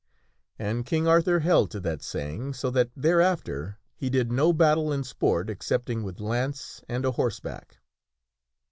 And King Arthur held to that saying, so that thereafter he did no battle in sport excepting with lance and a horseback.